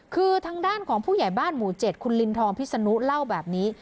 คือทางด้านของผู้ใหญ่บ้านหมู่๗คุณลินทองพิศนุเล่าแบบนี้